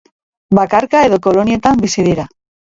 Bakarka edo kolonietan bizi dira.